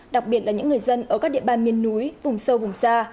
đặc biệt là những người dân ở các địa bàn miền núi vùng sâu vùng xa